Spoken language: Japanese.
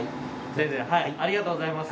ありがとうございます。